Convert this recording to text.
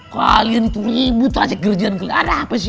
kalian itu nyebut aja kerjaan kalian ada apa sih